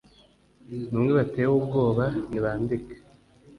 “Bamwe batewe ubwoba ntibandika